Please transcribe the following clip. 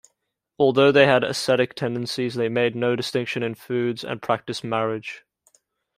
Although they had ascetic tendencies, they made no distinction in foods and practiced marriage.